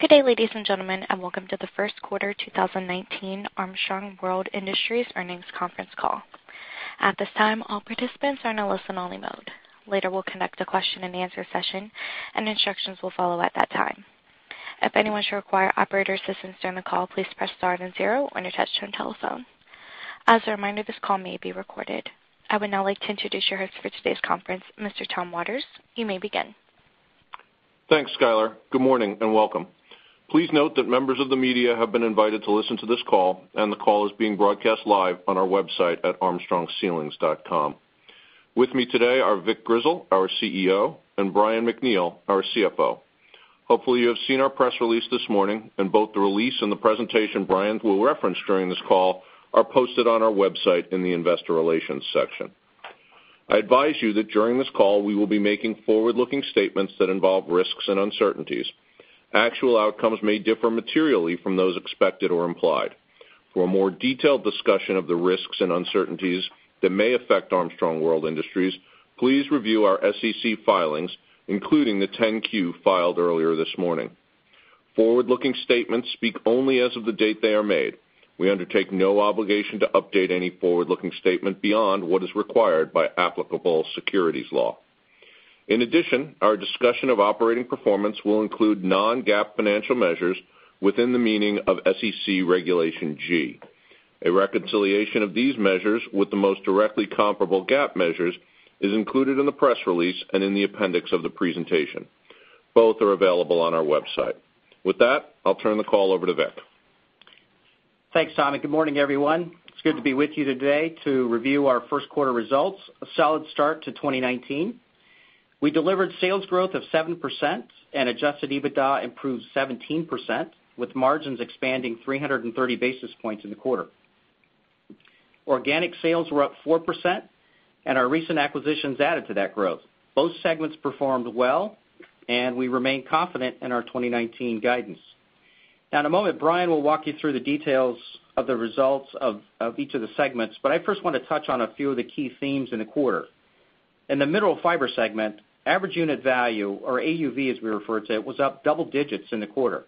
Good day, ladies and gentlemen, and welcome to the first quarter 2019 Armstrong World Industries earnings conference call. At this time, all participants are in a listen only mode. Later, we'll conduct a question and answer session and instructions will follow at that time. If anyone should require operator assistance during the call, please press star and zero on your touch-tone telephone. As a reminder, this call may be recorded. I would now like to introduce your host for today's conference, Mr. Tom Waters. You may begin. Thanks, Skyler. Good morning and welcome. Please note that members of the media have been invited to listen to this call, and the call is being broadcast live on our website at armstrongceilings.com. With me today are Vic Grizzle, our CEO, and Brian MacNeal, our CFO. Hopefully, you have seen our press release this morning and both the release and the presentation Brian will reference during this call are posted on our website in the investor relations section. I advise you that during this call, we will be making forward-looking statements that involve risks and uncertainties. Actual outcomes may differ materially from those expected or implied. For a more detailed discussion of the risks and uncertainties that may affect Armstrong World Industries, please review our SEC filings, including the 10-Q filed earlier this morning. Forward-looking statements speak only as of the date they are made. We undertake no obligation to update any forward-looking statement beyond what is required by applicable securities law. In addition, our discussion of operating performance will include non-GAAP financial measures within the meaning of SEC Regulation G. A reconciliation of these measures with the most directly comparable GAAP measures is included in the press release and in the appendix of the presentation. Both are available on our website. With that, I'll turn the call over to Vic. Thanks, Tom, good morning, everyone. It's good to be with you today to review our first quarter results, a solid start to 2019. We delivered sales growth of 7% and adjusted EBITDA improved 17%, with margins expanding 330 basis points in the quarter. Organic sales were up 4%, and our recent acquisitions added to that growth. Both segments performed well, and we remain confident in our 2019 guidance. In a moment, Brian will walk you through the details of the results of each of the segments, but I first want to touch on a few of the key themes in the quarter. In the Mineral Fiber segment, average unit value, or AUV as we refer to it, was up double digits in the quarter.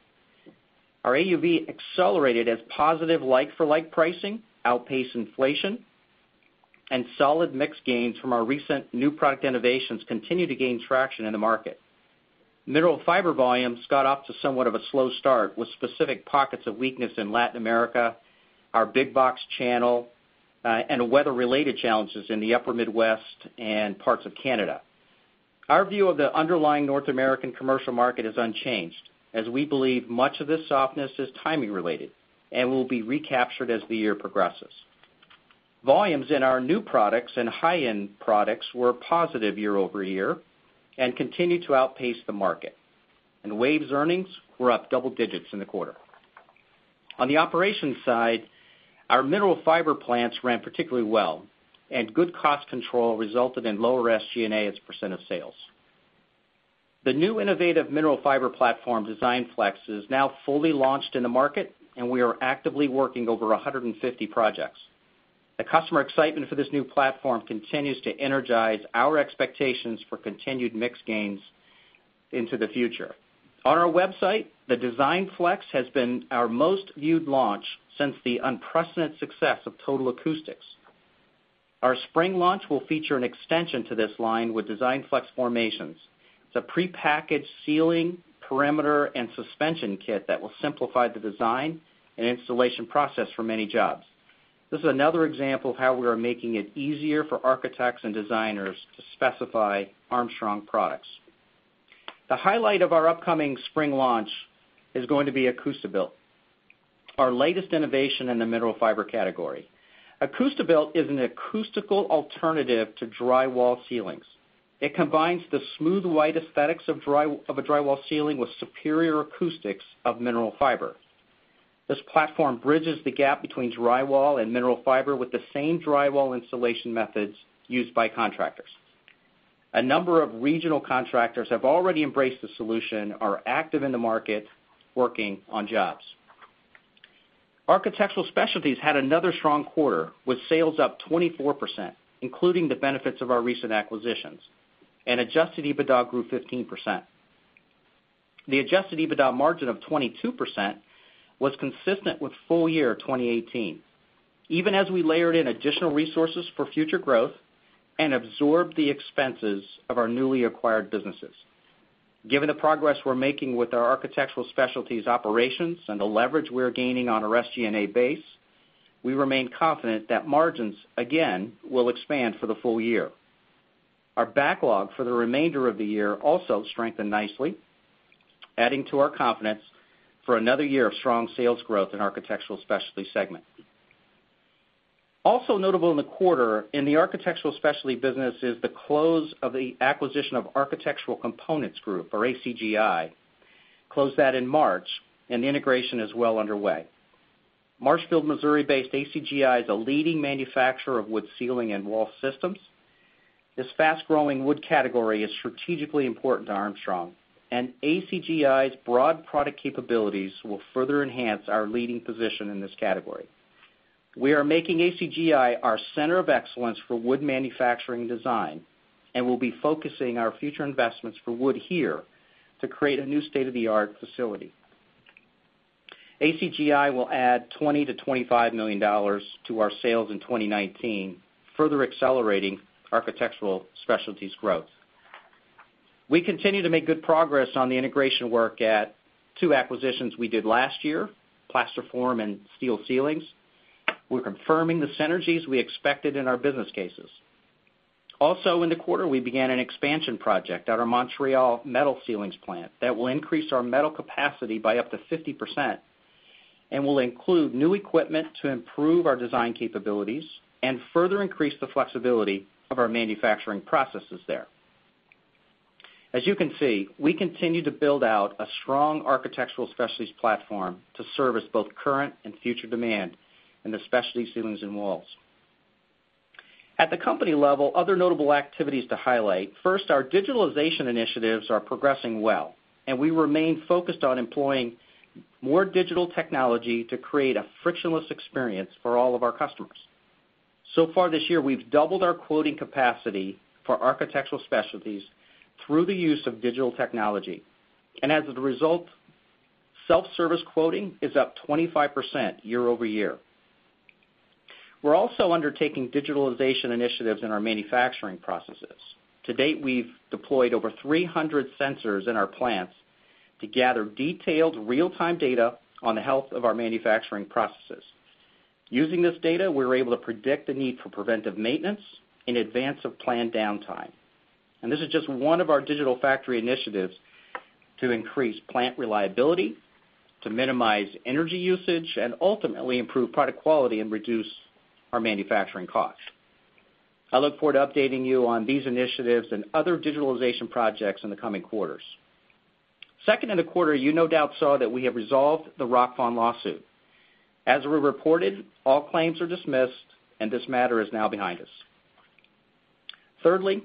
Our AUV accelerated as positive like-for-like pricing outpaced inflation and solid mix gains from our recent new product innovations continue to gain traction in the market. Mineral Fiber volumes got off to somewhat of a slow start, with specific pockets of weakness in Latin America, our big box channel, and weather-related challenges in the upper Midwest and parts of Canada. Our view of the underlying North American commercial market is unchanged, as we believe much of this softness is timing related and will be recaptured as the year progresses. Volumes in our new products and high-end products were positive year-over-year and continue to outpace the market. WAVE earnings were up double digits in the quarter. On the operations side, our Mineral Fiber plants ran particularly well good cost control resulted in lower SGA as a percent of sales. The new innovative Mineral Fiber platform, DESIGNFlex, is now fully launched in the market, we are actively working over 150 projects. The customer excitement for this new platform continues to energize our expectations for continued mix gains into the future. On our website, the DESIGNFlex has been our most viewed launch since the unprecedented success of Total Acoustics. Our spring launch will feature an extension to this line with DESIGNFlex FORMATIONS. It's a prepackaged ceiling, perimeter, and suspension kit that will simplify the design and installation process for many jobs. This is another example of how we are making it easier for architects and designers to specify Armstrong products. The highlight of our upcoming spring launch is going to be AcoustiBuilt, our latest innovation in the Mineral Fiber category. AcoustiBuilt is an acoustical alternative to drywall ceilings. It combines the smooth white aesthetics of a drywall ceiling with superior acoustics of mineral fiber. This platform bridges the gap between drywall and mineral fiber with the same drywall installation methods used by contractors. A number of regional contractors have already embraced the solution and are active in the market working on jobs. Architectural Specialties had another strong quarter with sales up 24%, including the benefits of our recent acquisitions, adjusted EBITDA grew 15%. The adjusted EBITDA margin of 22% was consistent with full year 2018, even as we layered in additional resources for future growth and absorbed the expenses of our newly acquired businesses. Given the progress we're making with our Architectural Specialties operations and the leverage we're gaining on our SGA base, we remain confident that margins, again, will expand for the full year. Our backlog for the remainder of the year also strengthened nicely, adding to our confidence for another year of strong sales growth in Architectural Specialties segment. Also notable in the quarter in the Architectural Specialties business is the close of the acquisition of Architectural Components Group, or ACGI, closed that in March, the integration is well underway. Marshfield, Missouri-based ACGI is a leading manufacturer of wood ceiling and wall systems. This fast-growing wood category is strategically important to Armstrong, ACGI's broad product capabilities will further enhance our leading position in this category. We are making ACGI our center of excellence for wood manufacturing design, we'll be focusing our future investments for wood here to create a new state-of-the-art facility. ACGI will add $20 million-$25 million to our sales in 2019, further accelerating Architectural Specialties growth. We continue to make good progress on the integration work at two acquisitions we did last year, Plasterform and Steel Ceilings. We are confirming the synergies we expected in our business cases. Also, in the quarter, we began an expansion project at our Montreal metal ceilings plant that will increase our metal capacity by up to 50% and will include new equipment to improve our design capabilities and further increase the flexibility of our manufacturing processes there. As you can see, we continue to build out a strong Architectural Specialties platform to service both current and future demand in the specialty ceilings and walls. At the company level, other notable activities to highlight. First, our digitalization initiatives are progressing well, and we remain focused on employing more digital technology to create a frictionless experience for all of our customers. Far this year, we have doubled our quoting capacity for Architectural Specialties through the use of digital technology, and as a result, self-service quoting is up 25% year-over-year. We are also undertaking digitalization initiatives in our manufacturing processes. To date, we have deployed over 300 sensors in our plants to gather detailed real-time data on the health of our manufacturing processes. Using this data, we are able to predict the need for preventive maintenance in advance of planned downtime. This is just one of our digital factory initiatives to increase plant reliability, to minimize energy usage, and ultimately improve product quality and reduce our manufacturing costs. I look forward to updating you on these initiatives and other digitalization projects in the coming quarters. Second in the quarter, you no doubt saw that we have resolved the Rockfon lawsuit. As we reported, all claims are dismissed, and this matter is now behind us. Thirdly,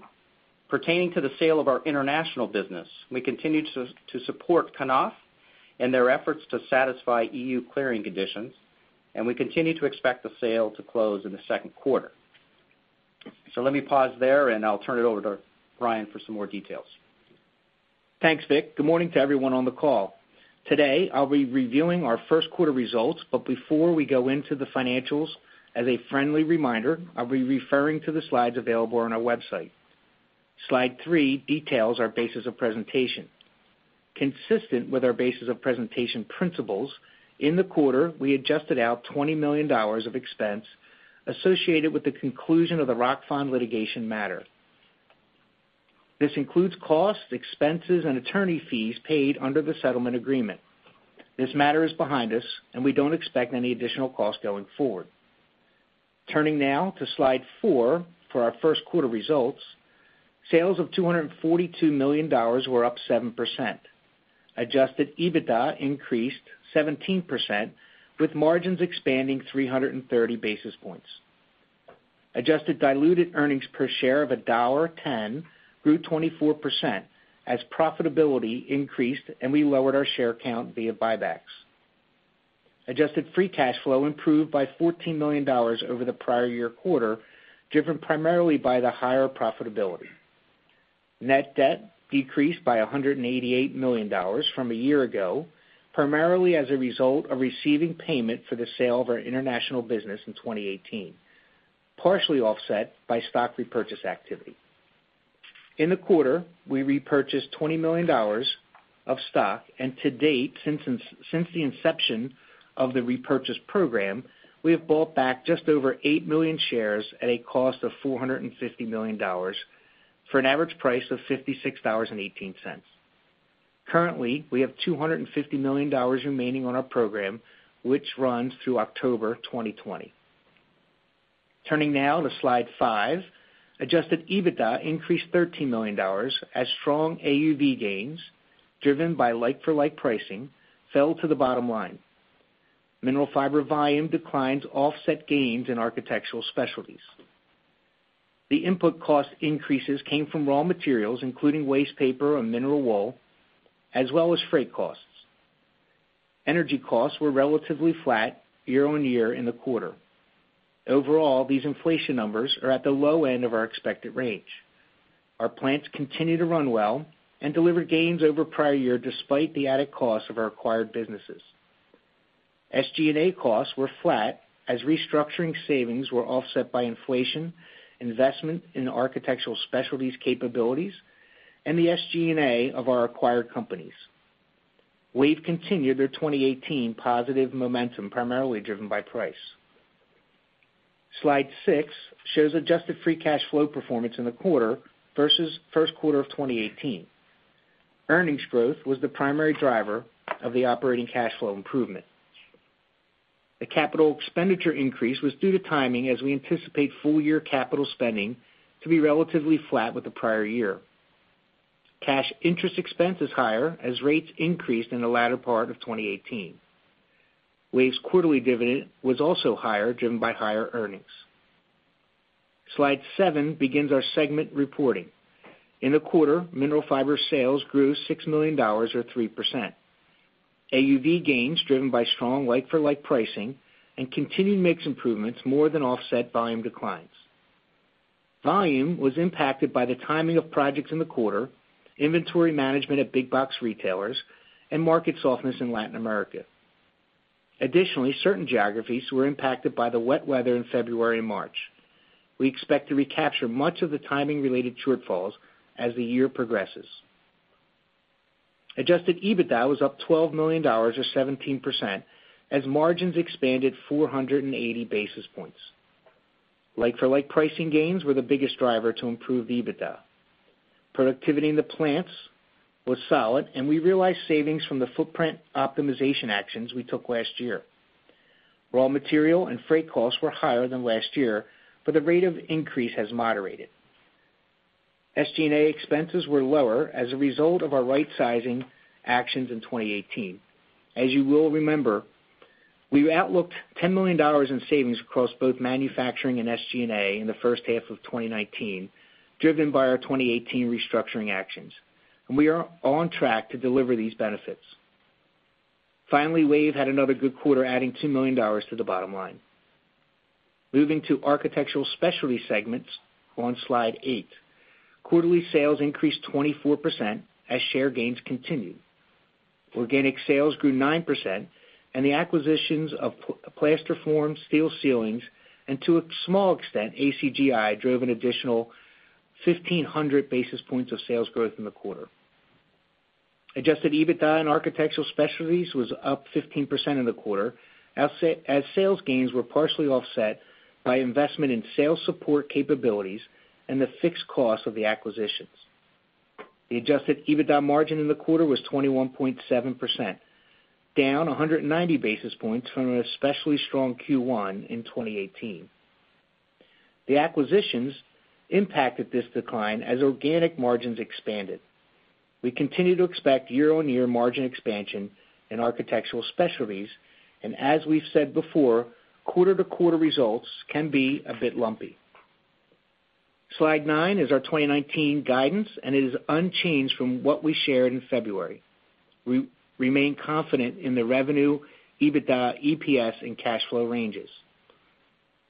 pertaining to the sale of our international business, we continue to support Knauf in their efforts to satisfy EU clearing conditions, and we continue to expect the sale to close in the second quarter. Let me pause there, and I will turn it over to Brian for some more details. Thanks, Vic. Good morning to everyone on the call. Today, I will be reviewing our first quarter results, before we go into the financials, as a friendly reminder, I will be referring to the slides available on our website. Slide three details our basis of presentation. Consistent with our basis of presentation principles, in the quarter, we adjusted out $20 million of expense associated with the conclusion of the Rockfon litigation matter. This includes costs, expenses, and attorney fees paid under the settlement agreement. This matter is behind us, and we do not expect any additional costs going forward. Turning now to slide four for our first quarter results. Sales of $242 million were up 7%. Adjusted EBITDA increased 17%, with margins expanding 330 basis points. Adjusted diluted earnings per share of $1.10 grew 24% as profitability increased and we lowered our share count via buybacks. Adjusted free cash flow improved by $14 million over the prior year quarter, driven primarily by the higher profitability. Net debt decreased by $188 million from a year ago, primarily as a result of receiving payment for the sale of our international business in 2018, partially offset by stock repurchase activity. In the quarter, we repurchased $20 million of stock. To date, since the inception of the repurchase program, we have bought back just over 8 million shares at a cost of $450 million, for an average price of $56.18. Currently, we have $250 million remaining on our program, which runs through October 2020. Turning now to slide five. Adjusted EBITDA increased $13 million as strong AUV gains, driven by like-for-like pricing, fell to the bottom line. Mineral Fiber volume declines offset gains in Architectural Specialties. The input cost increases came from raw materials, including waste paper and mineral wool, as well as freight costs. Energy costs were relatively flat year-over-year in the quarter. Overall, these inflation numbers are at the low end of our expected range. Our plants continue to run well and deliver gains over prior year, despite the added cost of our acquired businesses. SG&A costs were flat as restructuring savings were offset by inflation, investment in Architectural Specialties capabilities, and the SG&A of our acquired companies. WAVE continued their 2018 positive momentum, primarily driven by price. Slide six shows adjusted free cash flow performance in the quarter versus first quarter of 2018. Earnings growth was the primary driver of the operating cash flow improvement. The capital expenditure increase was due to timing, as we anticipate full-year capital spending to be relatively flat with the prior year. Cash interest expense is higher as rates increased in the latter part of 2018. WAVE's quarterly dividend was also higher, driven by higher earnings. Slide seven begins our segment reporting. In the quarter, Mineral Fiber sales grew $6 million or 3%. AUV gains, driven by strong like-for-like pricing and continued mix improvements, more than offset volume declines. Volume was impacted by the timing of projects in the quarter, inventory management at big box retailers, and market softness in Latin America. Additionally, certain geographies were impacted by the wet weather in February and March. We expect to recapture much of the timing-related shortfalls as the year progresses. Adjusted EBITDA was up $12 million or 17%, as margins expanded 480 basis points. Like-for-like pricing gains were the biggest driver to improve the EBITDA. Productivity in the plants was solid, and we realized savings from the footprint optimization actions we took last year. Raw material and freight costs were higher than last year. The rate of increase has moderated. SG&A expenses were lower as a result of our rightsizing actions in 2018. As you will remember, we've outlooked $10 million in savings across both manufacturing and SG&A in the first half of 2019, driven by our 2018 restructuring actions. We are on track to deliver these benefits. Finally, WAVE had another good quarter, adding $2 million to the bottom line. Moving to Architectural Specialties segments on Slide 8. Quarterly sales increased 24% as share gains continued. Organic sales grew 9%. The acquisitions of Plasterform, Steel Ceilings, and, to a small extent, ACGI, drove an additional 1,500 basis points of sales growth in the quarter. Adjusted EBITDA in Architectural Specialties was up 15% in the quarter, as sales gains were partially offset by investment in sales support capabilities and the fixed cost of the acquisitions. The Adjusted EBITDA margin in the quarter was 21.7%, down 190 basis points from an especially strong Q1 in 2018. The acquisitions impacted this decline as organic margins expanded. We continue to expect year-on-year margin expansion in Architectural Specialties, and as we've said before, quarter-to-quarter results can be a bit lumpy. Slide nine is our 2019 guidance. It is unchanged from what we shared in February. We remain confident in the revenue, EBITDA, EPS, and cash flow ranges.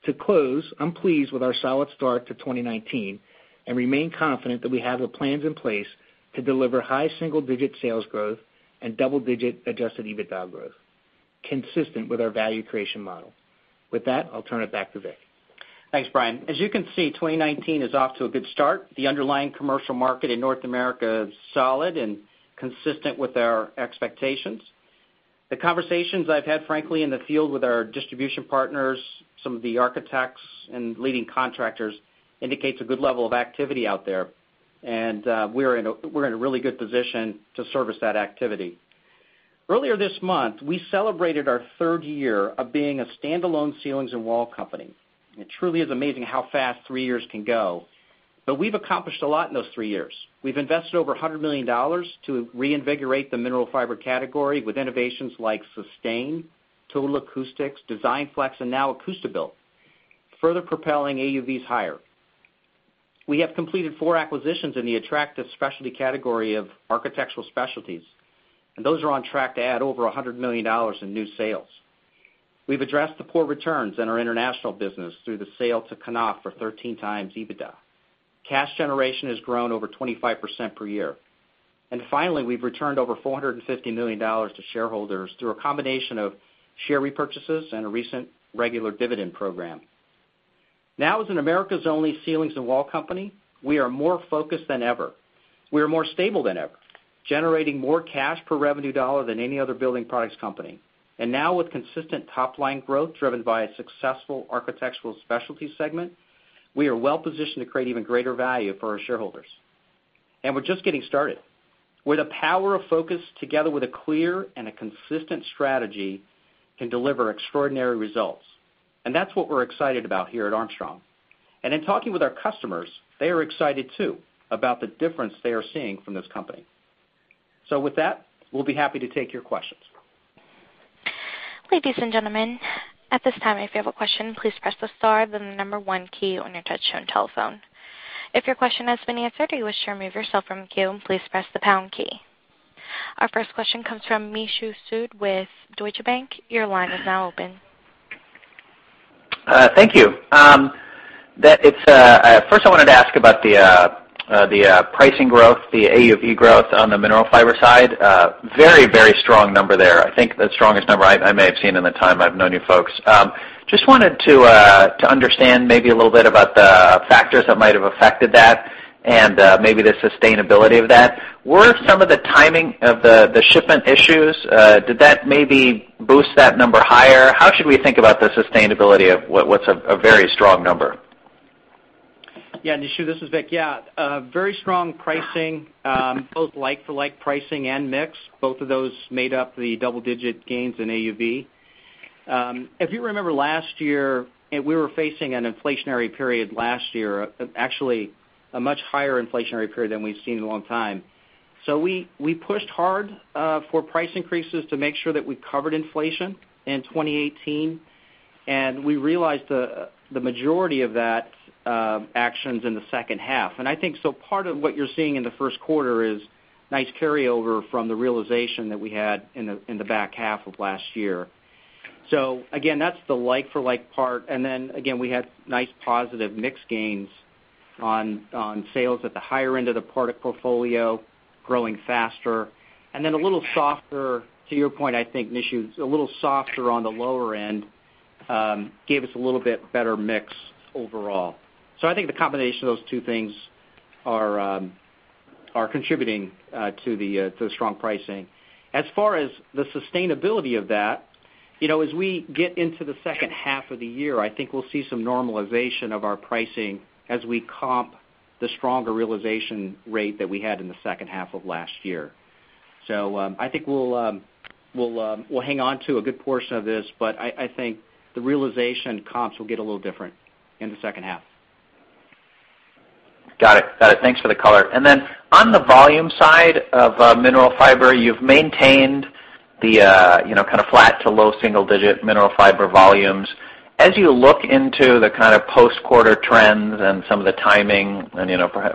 To close, I'm pleased with our solid start to 2019 and remain confident that we have the plans in place to deliver high single-digit sales growth and double-digit Adjusted EBITDA growth, consistent with our value creation model. With that, I'll turn it back to Vic. Thanks, Brian. As you can see, 2019 is off to a good start. The underlying commercial market in North America is solid and consistent with our expectations. The conversations I've had, frankly, in the field with our distribution partners, some of the architects, and leading contractors, indicates a good level of activity out there. We're in a really good position to service that activity. Earlier this month, we celebrated our third year of being a standalone ceilings and wall company. It truly is amazing how fast three years can go, but we've accomplished a lot in those three years. We've invested over $100 million to reinvigorate the Mineral Fiber category with innovations like Sustain, Total Acoustics, DESIGNFlex, and now AcoustiBuilt, further propelling AUVs higher. We have completed four acquisitions in the attractive specialty category of Architectural Specialties. Those are on track to add over $100 million in new sales. We've addressed the poor returns in our international business through the sale to Knauf for 13 times EBITDA. Cash generation has grown over 25% per year. Finally, we've returned over $450 million to shareholders through a combination of share repurchases and a recent regular dividend program. Now, as in America's only ceilings and wall company, we are more focused than ever. We are more stable than ever, generating more cash per revenue dollar than any other building products company. Now with consistent top-line growth driven by a successful Architectural Specialties segment, we are well positioned to create even greater value for our shareholders. We're just getting started. With the power of focus together with a clear and a consistent strategy can deliver extraordinary results. That's what we're excited about here at Armstrong. In talking with our customers, they are excited too about the difference they are seeing from this company. With that, we'll be happy to take your questions. Ladies and gentlemen, at this time, if you have a question, please press the star, then the number one key on your touchtone telephone. If your question has been answered or you wish to remove yourself from queue, please press the pound key. Our first question comes from Nishu Sood with Deutsche Bank. Your line is now open. Thank you. First, I wanted to ask about the pricing growth, the AUV growth on the Mineral Fiber side. Very strong number there. I think the strongest number I may have seen in the time I've known you folks. Just wanted to understand maybe a little bit about the factors that might have affected that and maybe the sustainability of that. Were some of the timing of the shipment issues, did that maybe boost that number higher? How should we think about the sustainability of what's a very strong number? Yeah, Nishu, this is Vic. Very strong pricing, both like-for-like pricing and mix. Both of those made up the double-digit gains in AUV. If you remember last year, we were facing an inflationary period last year, actually a much higher inflationary period than we've seen in a long time. We pushed hard for price increases to make sure that we covered inflation in 2018. We realized the majority of that action's in the second half. I think part of what you're seeing in the first quarter is nice carryover from the realization that we had in the back half of last year. Again, that's the like-for-like part. Then again, we had nice positive mix gains on sales at the higher end of the product portfolio growing faster. A little softer, to your point, I think, Nishu, it's a little softer on the lower end, gave us a little bit better mix overall. I think the combination of those two things are contributing to the strong pricing. As far as the sustainability of that, as we get into the second half of the year, I think we'll see some normalization of our pricing as we comp the stronger realization rate that we had in the second half of last year. I think we'll hang on to a good portion of this, but I think the realization comps will get a little different in the second half. Got it. Thanks for the color. On the volume side of Mineral Fiber, you've maintained the kind of flat to low single digit Mineral Fiber volumes. As you look into the kind of post-quarter trends and some of the timing and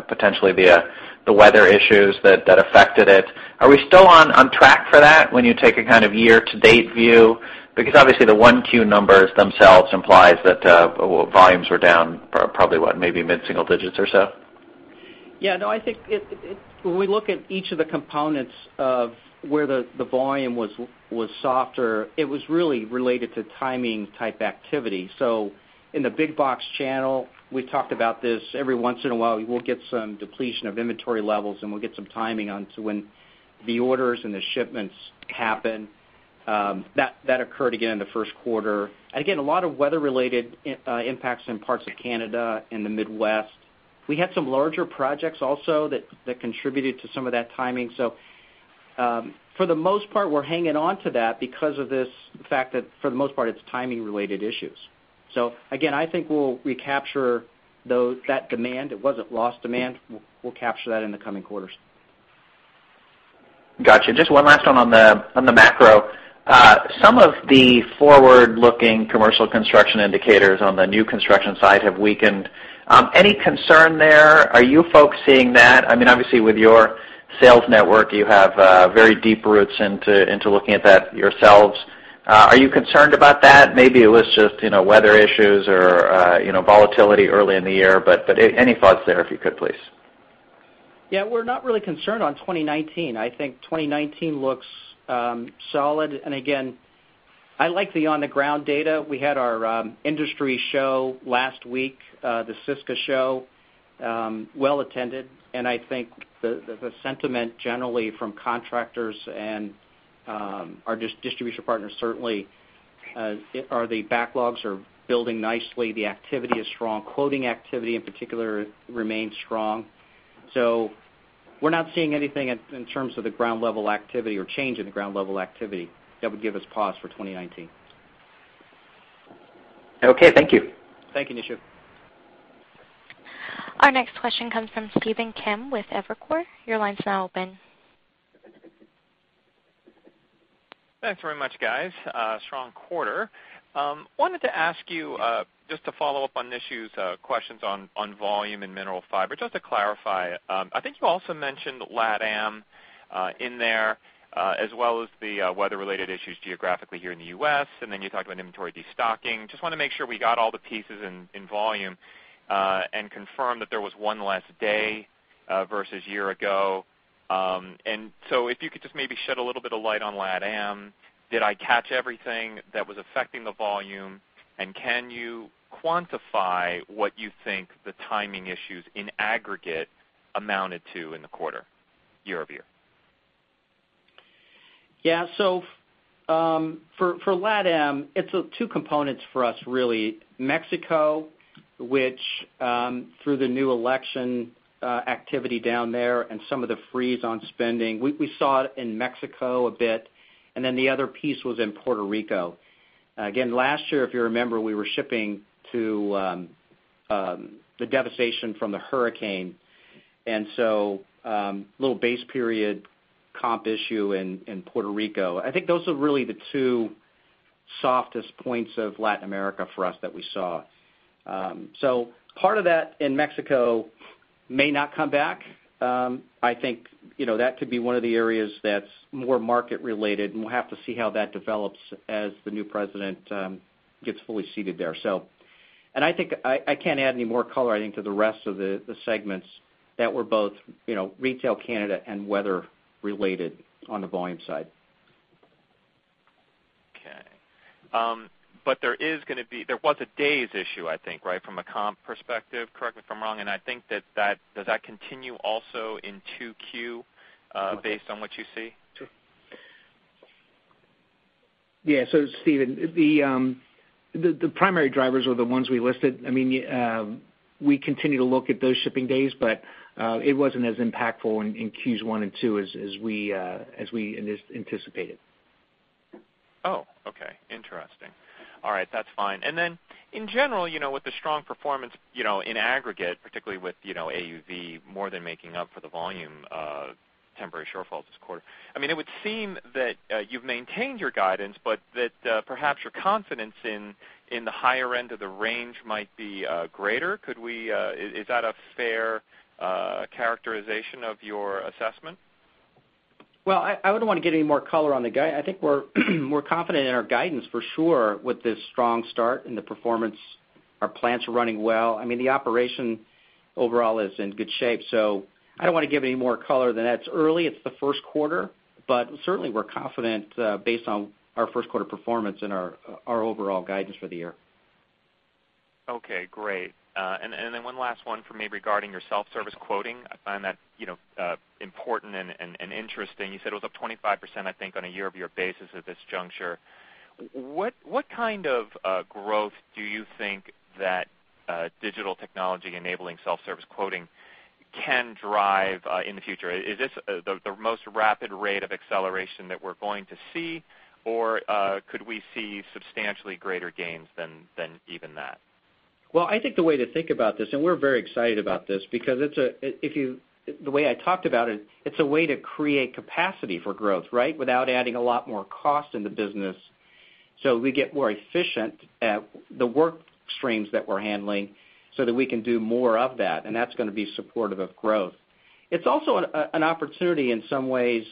potentially the weather issues that affected it, are we still on track for that when you take a kind of year-to-date view? Because obviously the 1Q numbers themselves implies that volumes were down probably what, maybe mid-single digits or so? I think when we look at each of the components of where the volume was softer, it was really related to timing type activity. In the big box channel, we talked about this every once in a while, we'll get some depletion of inventory levels, and we'll get some timing onto when the orders and the shipments happen. That occurred again in the first quarter. Again, a lot of weather related impacts in parts of Canada and the Midwest. We had some larger projects also that contributed to some of that timing. For the most part, we're hanging on to that because of this fact that for the most part, it's timing related issues. Again, I think we'll recapture that demand. It wasn't lost demand. We'll capture that in the coming quarters. Got you. Just one last one on the macro. Some of the forward-looking commercial construction indicators on the new construction side have weakened. Any concern there? Are you folks seeing that? Obviously with your sales network, you have very deep roots into looking at that yourselves. Are you concerned about that? Maybe it was just weather issues or volatility early in the year, but any thoughts there, if you could, please? Yeah, we're not really concerned on 2019. I think 2019 looks solid. Again, I like the on-the-ground data. We had our industry show last week, the CISCA show, well attended, I think the sentiment generally from contractors and our distribution partners certainly are the backlogs are building nicely. The activity is strong. Quoting activity, in particular, remains strong. We're not seeing anything in terms of the ground-level activity or change in the ground-level activity that would give us pause for 2019. Okay. Thank you. Thank you, Nishu. Our next question comes from Stephen Kim with Evercore. Your line's now open. Thanks very much, guys. Strong quarter. Wanted to ask you, just to follow up on Nishu Sood's questions on volume and Mineral Fiber, just to clarify. I think you also mentioned LATAM in there, as well as the weather-related issues geographically here in the U.S., then you talked about inventory destocking. Just want to make sure we got all the pieces in volume, and confirm that there was one less day, versus year-ago. If you could just maybe shed a little bit of light on LATAM. Did I catch everything that was affecting the volume? Can you quantify what you think the timing issues in aggregate amounted to in the quarter, year-over-year? Yeah. For LATAM, it's two components for us, really. Mexico, which, through the new election activity down there and some of the freeze on spending, we saw it in Mexico a bit, then the other piece was in Puerto Rico. Again, last year, if you remember, we were shipping to the devastation from the hurricane. Little base period comp issue in Puerto Rico. I think those are really the two softest points of Latin America for us that we saw. Part of that in Mexico may not come back. I think that could be one of the areas that's more market related, and we'll have to see how that develops as the new president gets fully seated there. I think I can't add any more color, I think, to the rest of the segments that were both retail Canada and weather related on the volume side. Okay. There was a days issue, I think, from a comp perspective, correct me if I'm wrong, does that continue also in 2Q, based on what you see? Stephen, the primary drivers are the ones we listed. We continue to look at those shipping days, but it wasn't as impactful in Q1 and Q2 as we anticipated. Oh, okay. Interesting. All right, that's fine. In general, with the strong performance in aggregate, particularly with AUV more than making up for the volume of temporary shortfalls this quarter. It would seem that you've maintained your guidance, but that perhaps your confidence in the higher end of the range might be greater. Is that a fair characterization of your assessment? Well, I wouldn't want to give any more color on the guide. I think we're confident in our guidance for sure with this strong start and the performance. Our plants are running well. The operation overall is in good shape, I don't want to give any more color than that. It's early. It's the first quarter, certainly we're confident based on our first quarter performance and our overall guidance for the year. Okay, great. One last one for me regarding your self-service quoting. I find that important and interesting. You said it was up 25%, I think, on a year-over-year basis at this juncture. What kind of growth do you think that digital technology enabling self-service quoting can drive in the future? Is this the most rapid rate of acceleration that we're going to see, or could we see substantially greater gains than even that? Well, I think the way to think about this, and we're very excited about this because the way I talked about it's a way to create capacity for growth, right? Without adding a lot more cost in the business. We get more efficient at the work streams that we're handling so that we can do more of that, and that's going to be supportive of growth. It's also an opportunity in some ways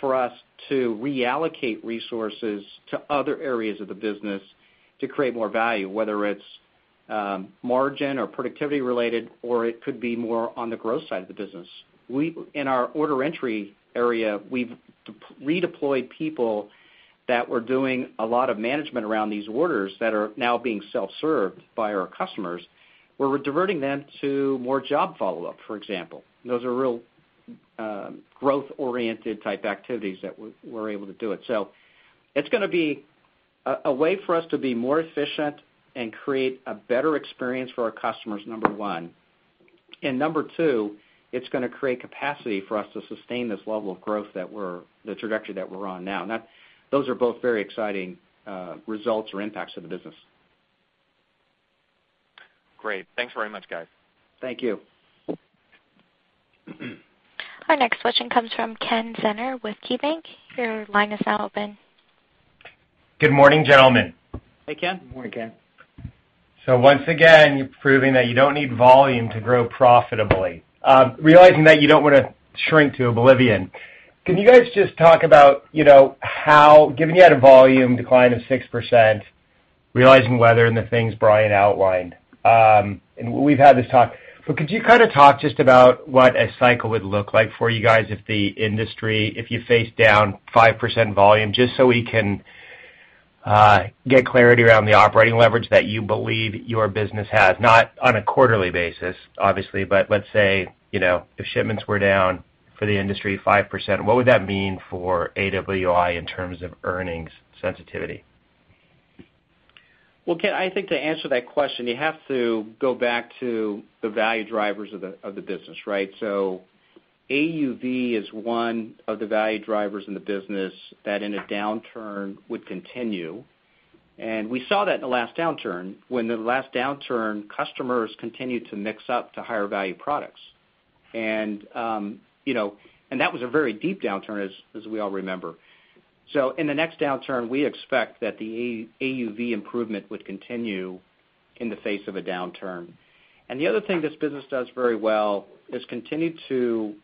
for us to reallocate resources to other areas of the business to create more value, whether it's margin or productivity related, or it could be more on the growth side of the business. In our order entry area, we've redeployed people that were doing a lot of management around these orders that are now being self-served by our customers, where we're diverting them to more job follow-up, for example. Those are real growth-oriented type activities that we're able to do it. It's going to be a way for us to be more efficient and create a better experience for our customers, number one. Number two, it's going to create capacity for us to sustain this level of growth, the trajectory that we're on now. Those are both very exciting results or impacts of the business. Great. Thanks very much, guys. Thank you. Our next question comes from Ken Zener with KeyBanc. Your line is now open. Good morning, gentlemen. Hey, Ken. Good morning, Ken. Once again, you're proving that you don't need volume to grow profitably. Realizing that you don't want to shrink to oblivion, can you guys just talk about how, given you had a volume decline of 6%, realizing weather and the things Brian outlined, and we've had this talk, but could you kind of talk just about what a cycle would look like for you guys if the industry, if you face down 5% volume, just so we can get clarity around the operating leverage that you believe your business has? Not on a quarterly basis, obviously, but let's say, if shipments were down for the industry 5%, what would that mean for AWI in terms of earnings sensitivity? Ken, I think to answer that question, you have to go back to the value drivers of the business, right? AUV is one of the value drivers in the business that in a downturn would continue, and we saw that in the last downturn. When the last downturn, customers continued to mix up to higher value products. That was a very deep downturn, as we all remember. In the next downturn, we expect that the AUV improvement would continue in the face of a downturn. The other thing this business does very well is continue to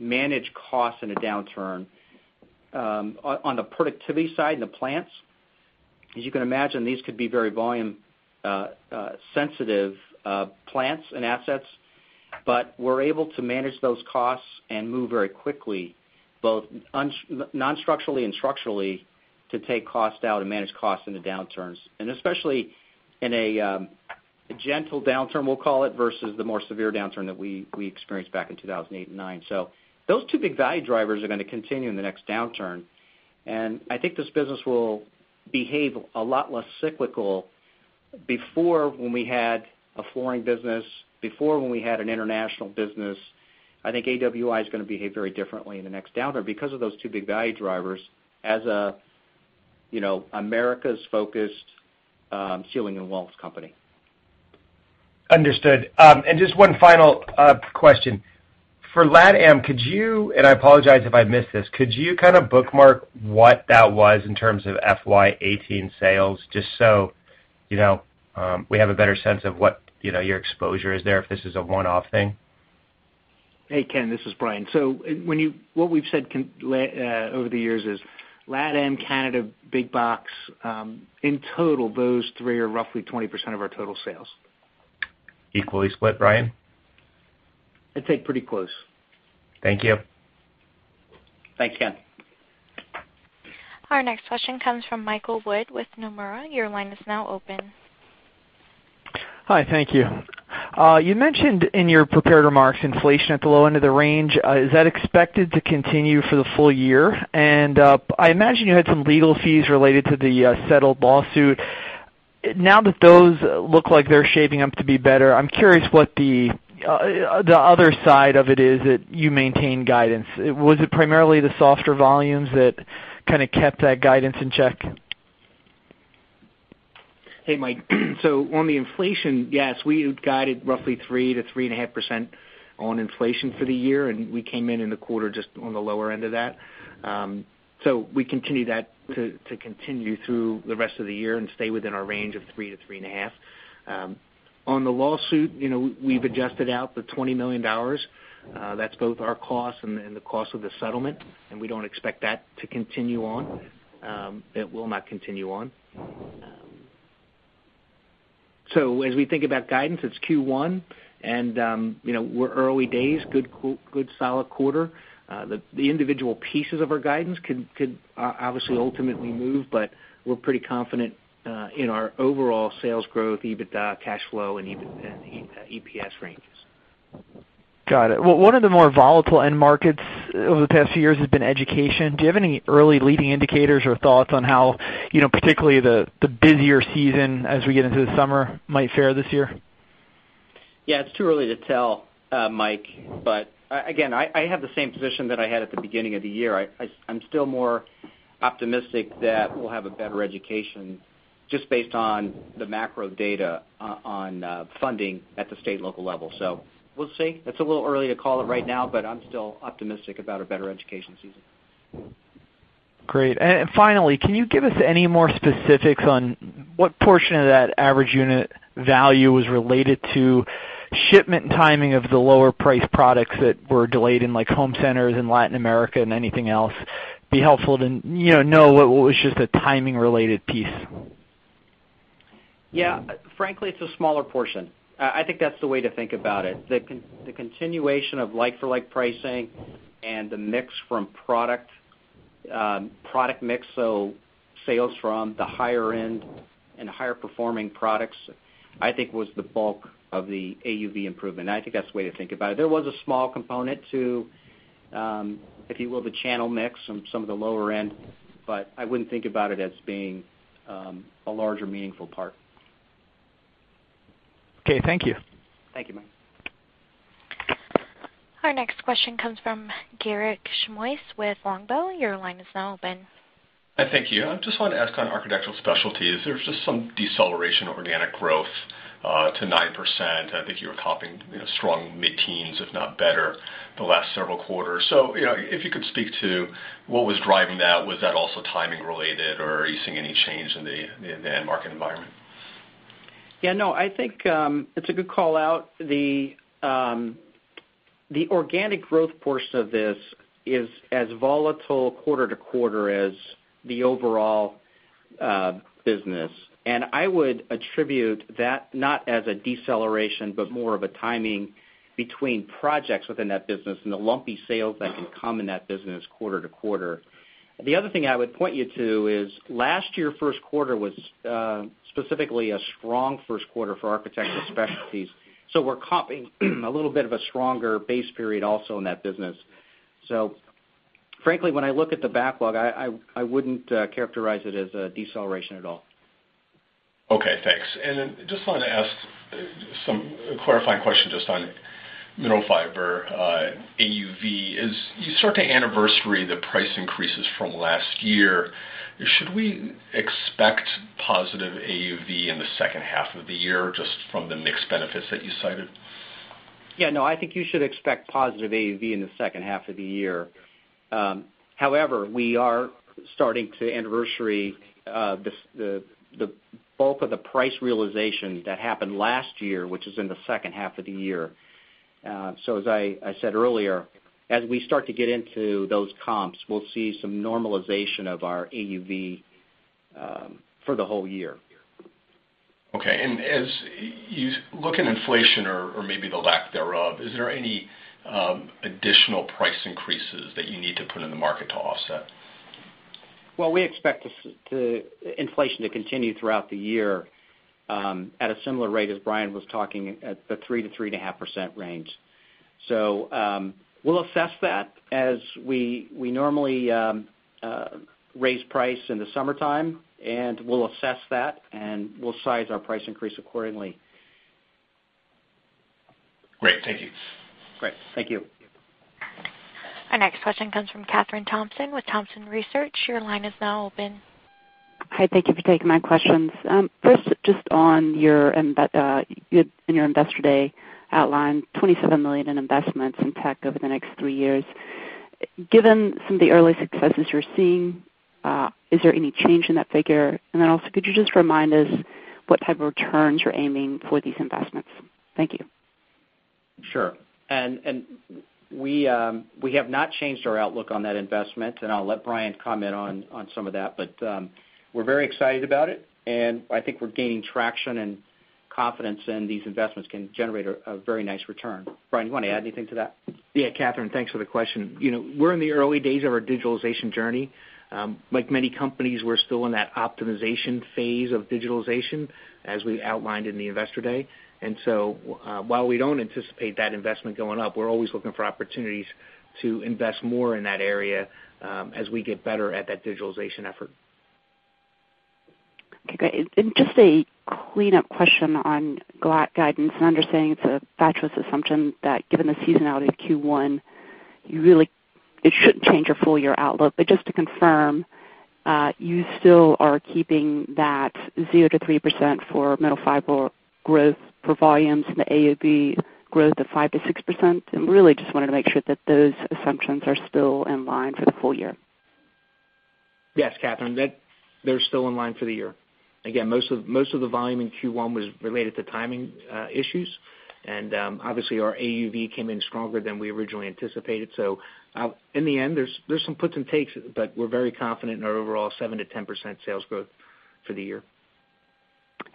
manage costs in a downturn. On the productivity side, in the plants, as you can imagine, these could be very volume sensitive plants and assets, but we're able to manage those costs and move very quickly, both non-structurally and structurally, to take cost out and manage costs in the downturns. Especially in a gentle downturn, we'll call it, versus the more severe downturn that we experienced back in 2008 and 2009. Those two big value drivers are going to continue in the next downturn, I think this business will behave a lot less cyclical. Before when we had a flooring business, before when we had an international business, I think AWI is going to behave very differently in the next downturn because of those two big value drivers as America's focused ceiling and walls company. Understood. Just one final question. For LATAM, I apologize if I missed this, could you kind of bookmark what that was in terms of FY 2018 sales, just so we have a better sense of what your exposure is there if this is a one-off thing? Hey, Ken, this is Brian. What we've said over the years is LATAM, Canada, big box, in total, those three are roughly 20% of our total sales. Equally split, Brian? I'd say pretty close. Thank you. Thanks, Ken. Our next question comes from Michael Wood with Nomura. Your line is now open. Hi, thank you. You mentioned in your prepared remarks inflation at the low end of the range. Is that expected to continue for the full year? I imagine you had some legal fees related to the settled lawsuit. Now that those look like they're shaping up to be better, I'm curious what the other side of it is that you maintain guidance. Was it primarily the softer volumes that kind of kept that guidance in check? Hey, Mike. On the inflation, yes, we had guided roughly 3%-3.5% on inflation for the year. We came in in the quarter just on the lower end of that. We continue that to continue through the rest of the year and stay within our range of 3%-3.5%. On the lawsuit, we've adjusted out the $20 million. That's both our cost and the cost of the settlement. We don't expect that to continue on. It will not continue on. As we think about guidance, it's Q1, and we're early days, good, solid quarter. The individual pieces of our guidance could obviously ultimately move, but we're pretty confident in our overall sales growth, EBITDA, cash flow, and EPS ranges. Got it. One of the more volatile end markets over the past few years has been education. Do you have any early leading indicators or thoughts on how, particularly the busier season as we get into the summer, might fare this year? Yeah, it's too early to tell, Mike. Again, I have the same position that I had at the beginning of the year. I'm still more optimistic that we'll have a better education just based on the macro data on funding at the state and local level. We'll see. It's a little early to call it right now. I'm still optimistic about a better education season. Great. Finally, can you give us any more specifics on what portion of that average unit value was related to shipment timing of the lower priced products that were delayed in like home centers in Latin America and anything else? It'd be helpful to know what was just a timing related piece. Yeah. Frankly, it's a smaller portion. I think that's the way to think about it. The continuation of like-for-like pricing and the mix from product mix, so sales from the higher end and higher performing products, I think was the bulk of the AUV improvement. I think that's the way to think about it. There was a small component to, if you will, the channel mix on some of the lower end. I wouldn't think about it as being a larger meaningful part. Okay, thank you. Thank you, Mike. Our next question comes from Garik Shmois with Longbow. Your line is now open. Thank you. I just wanted to ask on Architectural Specialties, there's just some deceleration of organic growth to 9%. I think you were comping strong mid-teens, if not better, the last several quarters. If you could speak to what was driving that. Was that also timing related, or are you seeing any change in the end market environment? I think it's a good call-out. The organic growth portion of this is as volatile quarter to quarter as the overall business. I would attribute that not as a deceleration, but more of a timing between projects within that business and the lumpy sales that can come in that business quarter to quarter. The other thing I would point you to is, last year first quarter was specifically a strong first quarter for Architectural Specialties. We're comping a little bit of a stronger base period also in that business. Frankly, when I look at the backlog, I wouldn't characterize it as a deceleration at all. Okay, thanks. Just wanted to ask some clarifying question just on Mineral Fiber AUV. As you start to anniversary the price increases from last year, should we expect positive AUV in the second half of the year just from the mix benefits that you cited? I think you should expect positive AUV in the second half of the year. However, we are starting to anniversary the bulk of the price realization that happened last year, which is in the second half of the year. As I said earlier, as we start to get into those comps, we'll see some normalization of our AUV for the whole year. Okay. As you look at inflation or maybe the lack thereof, is there any additional price increases that you need to put in the market to offset? We expect inflation to continue throughout the year at a similar rate as Brian was talking, at the 3%-3.5% range. We'll assess that as we normally raise price in the summertime, and we'll assess that, and we'll size our price increase accordingly. Great. Thank you. Great. Thank you. Our next question comes from Kathryn Thompson with Thompson Research. Your line is now open. Hi, thank you for taking my questions. First, on your Investor Day outline, $27 million in investments in tech over the next three years. Given some of the early successes you're seeing, is there any change in that figure? Could you just remind us what type of returns you're aiming for these investments? Thank you. Sure. We have not changed our outlook on that investment, and I'll let Brian comment on some of that. We're very excited about it, and I think we're gaining traction and confidence, and these investments can generate a very nice return. Brian, you want to add anything to that? Yeah, Kathryn, thanks for the question. We're in the early days of our digitalization journey. Like many companies, we're still in that optimization phase of digitalization, as we outlined in the Investor Day. While we don't anticipate that investment going up, we're always looking for opportunities to invest more in that area as we get better at that digitalization effort. Okay, great. Just a cleanup question on flat guidance and understanding it's a fatuous assumption that given the seasonality of Q1, it shouldn't change your full year outlook. Just to confirm, you still are keeping that 0%-3% for mineral fiber growth for volumes and the AUV growth of 5%-6%? Really just wanted to make sure that those assumptions are still in line for the full year. Yes, Kathryn, they're still in line for the year. Most of the volume in Q1 was related to timing issues. Obviously our AUV came in stronger than we originally anticipated. In the end, there's some puts and takes, but we're very confident in our overall 7%-10% sales growth for the year.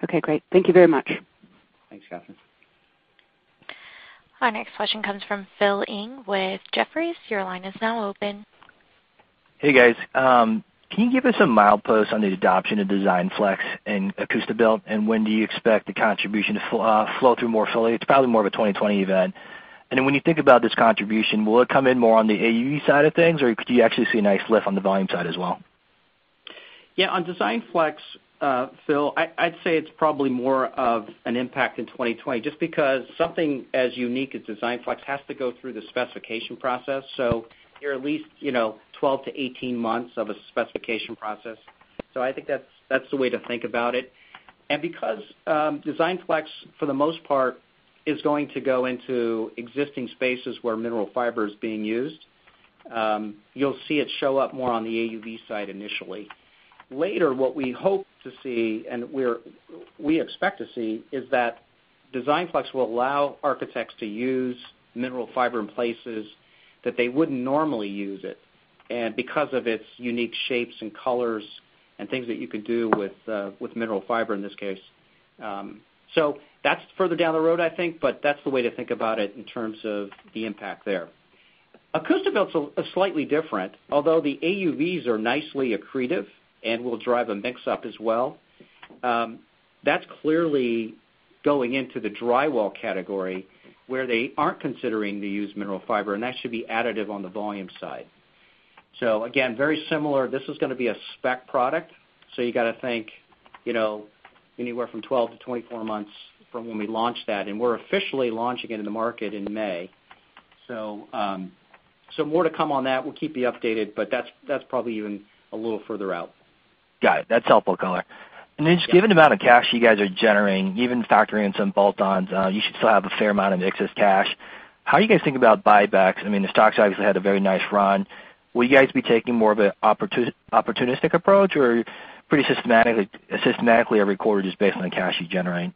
Okay, great. Thank you very much. Thanks, Kathryn. Our next question comes from Philip Ng with Jefferies. Your line is now open. Hey, guys. Can you give us a milepost on the adoption of DESIGNFlex and AcoustiBuilt? When do you expect the contribution to flow through more fully? It's probably more of a 2020 event. When you think about this contribution, will it come in more on the AUV side of things, or do you actually see a nice lift on the volume side as well? Yeah. On DESIGNFlex, Phil, I'd say it's probably more of an impact in 2020, just because something as unique as DESIGNFlex has to go through the specification process. You're at least 12 to 18 months of a specification process. I think that's the way to think about it. Because DESIGNFlex, for the most part, is going to go into existing spaces where mineral fiber is being used, you'll see it show up more on the AUV side initially. Later, what we hope to see, and we expect to see, is that DESIGNFlex will allow architects to use mineral fiber in places that they wouldn't normally use it. Because of its unique shapes and colors and things that you could do with mineral fiber in this case. That's further down the road, I think, but that's the way to think about it in terms of the impact there. AcoustiBuilt's slightly different, although the AUVs are nicely accretive and will drive a mix-up as well. That's clearly going into the drywall category, where they aren't considering to use mineral fiber, and that should be additive on the volume side. Again, very similar. This is going to be a spec product. You got to think anywhere from 12 to 24 months from when we launch that, and we're officially launching it in the market in May. More to come on that. We'll keep you updated, but that's probably even a little further out. Got it. That's helpful color. Yeah. Just given the amount of cash you guys are generating, even factoring in some bolt-ons, you should still have a fair amount of excess cash. How are you guys thinking about buybacks? I mean, the stock's obviously had a very nice run. Will you guys be taking more of an opportunistic approach, or pretty systematically every quarter just based on the cash you're generating?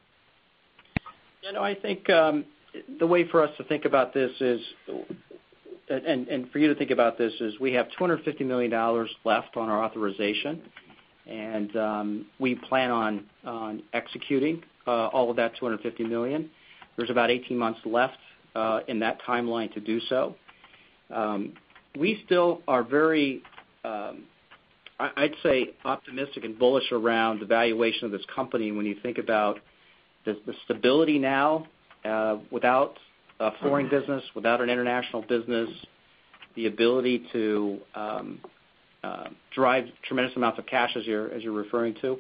I think the way for us to think about this is, for you to think about this is we have $250 million left on our authorization, we plan on executing all of that $250 million. There's about 18 months left in that timeline to do so. We still are very, I'd say, optimistic and bullish around the valuation of this company when you think about the stability now, without a flooring business, without an international business, the ability to drive tremendous amounts of cash as you're referring to.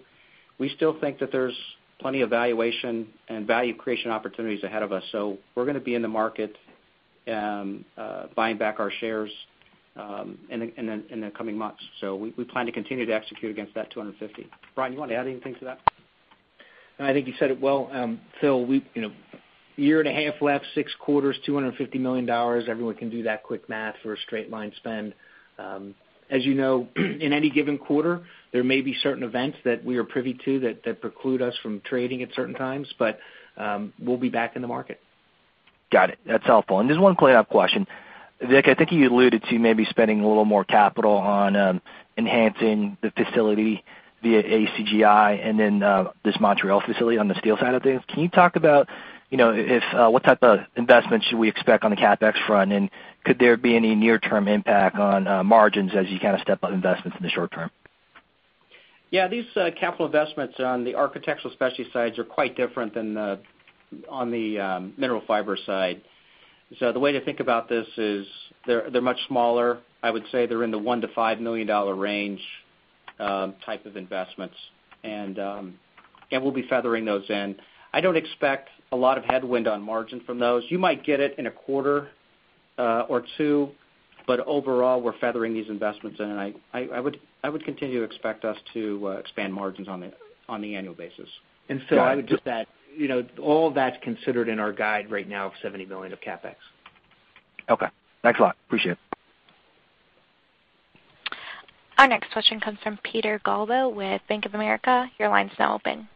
We still think that there's plenty of valuation and value creation opportunities ahead of us. We're going to be in the market buying back our shares in the coming months. We plan to continue to execute against that $250. Brian, you want to add anything to that? No, I think you said it well, Phil. A year and a half left, six quarters, $250 million. Everyone can do that quick math for a straight line spend. As you know, in any given quarter, there may be certain events that we are privy to that preclude us from trading at certain times. We'll be back in the market. Got it. That's helpful. Just one cleanup question. Vic, I think you alluded to maybe spending a little more capital on enhancing the facility via ACGI and then this Montreal facility on the steel side of things. Can you talk about what type of investments should we expect on the CapEx front, and could there be any near-term impact on margins as you step up investments in the short term? Yeah. These capital investments on the Architectural Specialties sides are quite different than on the Mineral Fiber side. The way to think about this is they're much smaller. I would say they're in the $1 million-$5 million range type of investments. We'll be feathering those in. I don't expect a lot of headwind on margin from those. You might get it in a quarter or two, but overall, we're feathering these investments in, and I would continue to expect us to expand margins on the annual basis. Got it. Phil, all of that's considered in our guide right now of $70 million of CapEx. Okay. Thanks a lot. Appreciate it. Our next question comes from Peter Galbo with Bank of America. Your line's now open.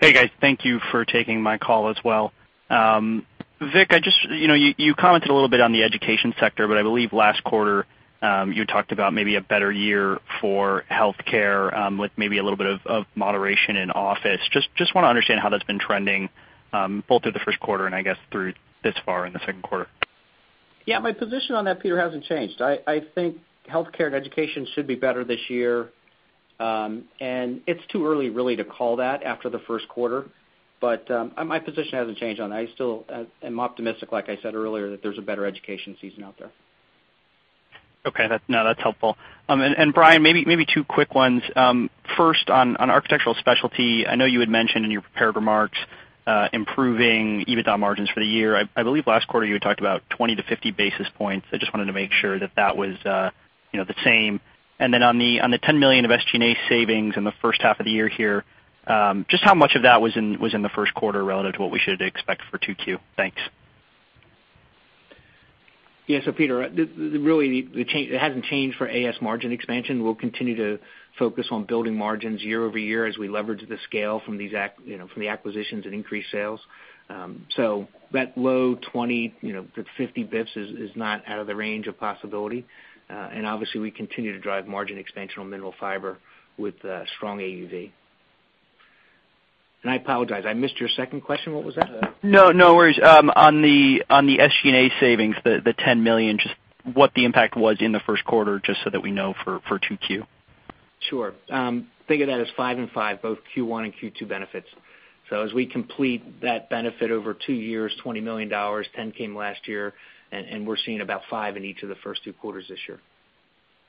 Hey, guys. Thank you for taking my call as well. Vic, you commented a little bit on the education sector, I believe last quarter, you talked about maybe a better year for healthcare, with maybe a little bit of moderation in office. I just want to understand how that's been trending, both through the first quarter and I guess through this far in the second quarter. Yeah, my position on that, Peter, hasn't changed. I think healthcare and education should be better this year. It's too early really to call that after the first quarter, but my position hasn't changed on that. I still am optimistic, like I said earlier, that there's a better education season out there. Okay. No, that's helpful. Brian, maybe two quick ones. First on Architectural Specialties, I know you had mentioned in your prepared remarks, improving EBITDA margins for the year. I believe last quarter you had talked about 20-50 basis points. I just wanted to make sure that that was the same. On the $10 million of SG&A savings in the first half of the year here, just how much of that was in the first quarter relative to what we should expect for 2Q? Thanks. Yeah. Peter, really, it hasn't changed for AS margin expansion. We'll continue to focus on building margins year-over-year as we leverage the scale from the acquisitions and increased sales. That low 20-50 basis points is not out of the range of possibility. Obviously, we continue to drive margin expansion on Mineral Fiber with strong AUV. I apologize, I missed your second question. What was that? No worries. On the SGA savings, the $10 million, just what the impact was in the first quarter, just so that we know for 2Q? Sure. Think of that as five and five, both Q1 and Q2 benefits. As we complete that benefit over two years, $20 million, $10 came last year, and we're seeing about five in each of the first two quarters this year.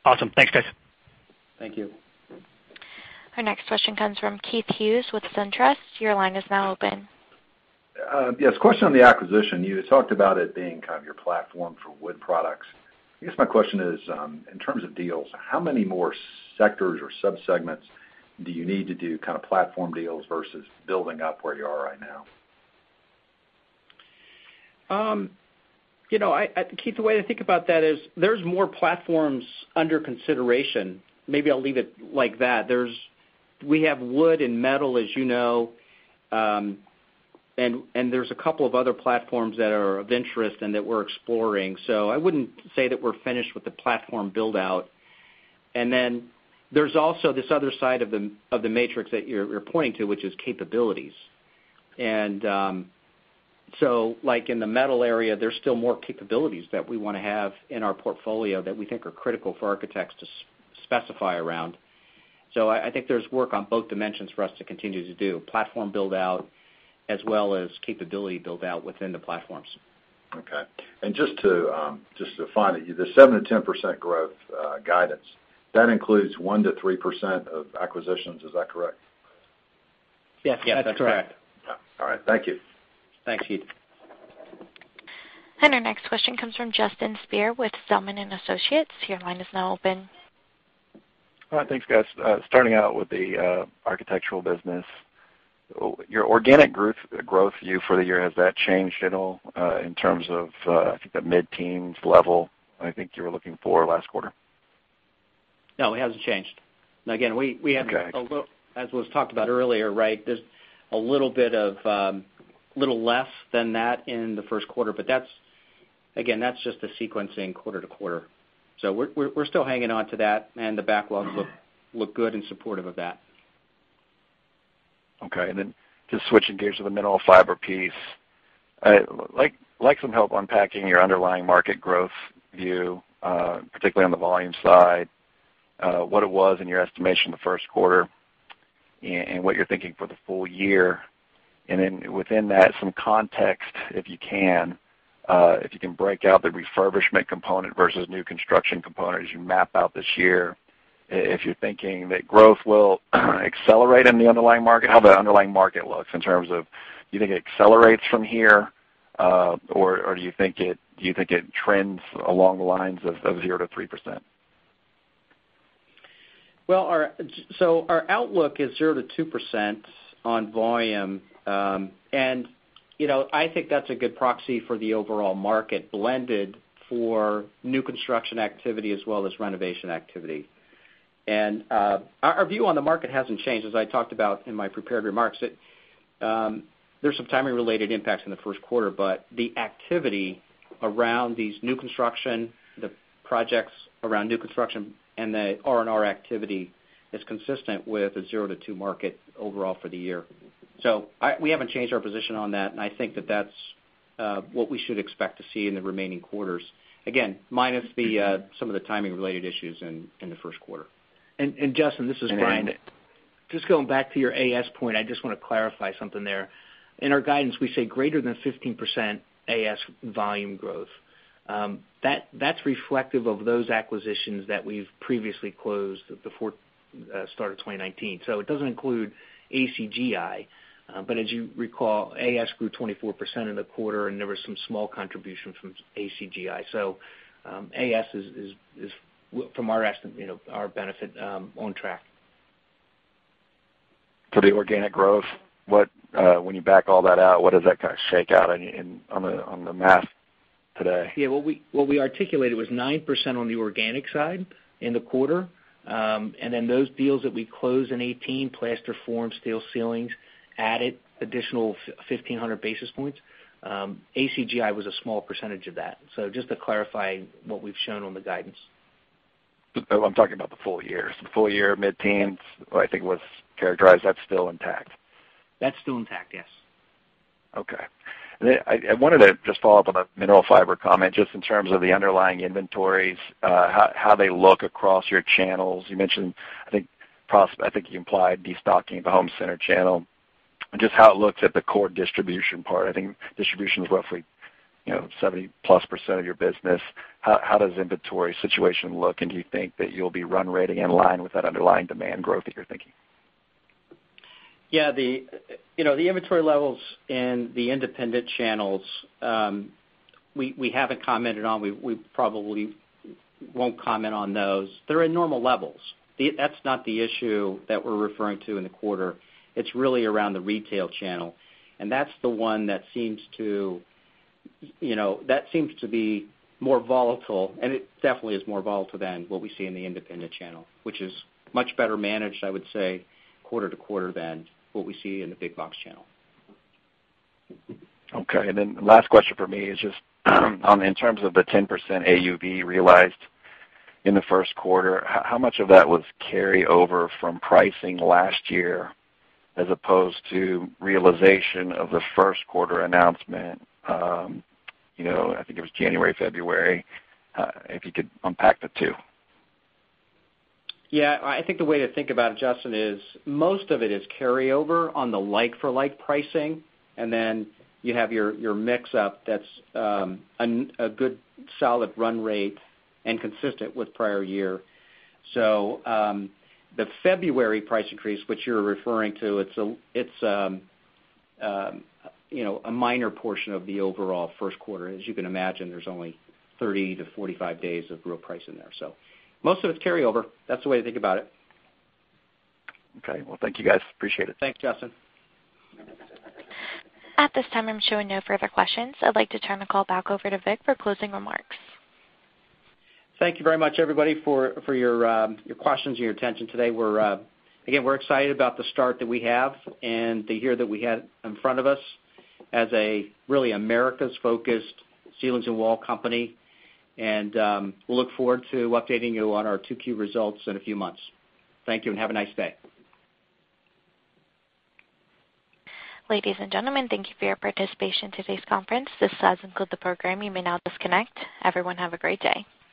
Awesome. Thanks, guys. Thank you. Our next question comes from Keith Hughes with SunTrust. Your line is now open. Yes, question on the acquisition. You had talked about it being kind of your platform for wood products. I guess my question is, in terms of deals, how many more sectors or sub-segments do you need to do kind of platform deals versus building up where you are right now? Keith, the way to think about that is there's more platforms under consideration. Maybe I'll leave it like that. We have wood and metal, as you know, and there's a couple of other platforms that are of interest and that we're exploring. I wouldn't say that we're finished with the platform build-out. There's also this other side of the matrix that you're pointing to, which is capabilities. Like in the metal area, there's still more capabilities that we want to have in our portfolio that we think are critical for architects to specify around. I think there's work on both dimensions for us to continue to do. Platform build-out as well as capability build-out within the platforms. Okay. Just to find it, the 7%-10% growth guidance, that includes 1%-3% of acquisitions. Is that correct? Yes, that's correct. All right. Thank you. Thanks, Keith. Our next question comes from Justin Speer with Zelman & Associates. Your line is now open. All right. Thanks, guys. Starting out with the architectural business. Your organic growth view for the year, has that changed at all in terms of, I think the mid-teens level I think you were looking for last quarter? No, it hasn't changed. Okay as was talked about earlier, there's a little less than that in the first quarter, but again, that's just the sequencing quarter to quarter. We're still hanging on to that, and the backlogs look good and supportive of that. Okay. Just switching gears to the Mineral Fiber piece. I'd like some help unpacking your underlying market growth view, particularly on the volume side, what it was in your estimation the first quarter, and what you're thinking for the full year. Within that, some context, if you can break out the refurbishment component versus new construction component as you map out this year. If you're thinking that growth will accelerate in the underlying market, how the underlying market looks in terms of, do you think it accelerates from here? Or do you think it trends along the lines of 0%-3%? Our outlook is 0%-2% on volume. I think that's a good proxy for the overall market blended for new construction activity as well as renovation activity. Our view on the market hasn't changed. As I talked about in my prepared remarks, there's some timing related impacts in the first quarter, but the activity around these new construction, the projects around new construction and the R&R activity is consistent with a 0%-2% market overall for the year. We haven't changed our position on that, and I think that that's what we should expect to see in the remaining quarters. Again, minus some of the timing related issues in the first quarter. Justin, this is Brian. Just going back to your AS point, I just want to clarify something there. In our guidance, we say greater than 15% AS volume growth. That's reflective of those acquisitions that we've previously closed before the start of 2019. It doesn't include ACGI. As you recall, AS grew 24% in the quarter, and there was some small contribution from ACGI. AS is from our estimate, our benefit, on track. For the organic growth, when you back all that out, what does that kind of shake out on the math today? Yeah. What we articulated was 9% on the organic side in the quarter. Then those deals that we closed in 2018, Plasterform, Steel Ceilings, added additional 1,500 basis points. ACGI was a small percentage of that. Just to clarify what we've shown on the guidance. I'm talking about the full year. The full year mid-teens, I think was characterized. That's still intact? That's still intact, yes. Okay. Then I wanted to just follow up on the Mineral Fiber comment, just in terms of the underlying inventories, how they look across your channels. You mentioned, I think you implied destocking of the home center channel. Just how it looks at the core distribution part. I think distribution is roughly 70-plus % of your business. How does the inventory situation look, and do you think that you'll be run rating in line with that underlying demand growth that you're thinking? Yeah. The inventory levels in the independent channels, we haven't commented on. We probably won't comment on those. They're in normal levels. That's not the issue that we're referring to in the quarter. It's really around the retail channel. That's the one that seems to be more volatile. It definitely is more volatile than what we see in the independent channel, which is much better managed, I would say, quarter-to-quarter than what we see in the big box channel. Okay. Last question from me is just in terms of the 10% AUV realized in the first quarter, how much of that was carryover from pricing last year as opposed to realization of the first quarter announcement? I think it was January, February. If you could unpack the two. Yeah, I think the way to think about it, Justin, is most of it is carryover on the like-for-like pricing. You have your mix-up that's a good solid run rate and consistent with prior year. The February price increase, which you're referring to, it's a minor portion of the overall first quarter. As you can imagine, there's only 30 to 45 days of real price in there. Most of it's carryover. That's the way to think about it. Okay. Thank you guys. Appreciate it. Thanks, Justin. At this time, I'm showing no further questions. I'd like to turn the call back over to Vic for closing remarks. Thank you very much, everybody, for your questions and your attention today. Again, we're excited about the start that we have and the year that we have in front of us as a really Americas-focused ceilings and wall company. We look forward to updating you on our two key results in a few months. Thank you and have a nice day. Ladies and gentlemen, thank you for your participation in today's conference. This does conclude the program. You may now disconnect. Everyone, have a great day.